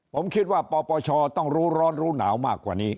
ผมคิดว่าปปชต้องรู้ร้อนรู้หนาวมากกว่านี้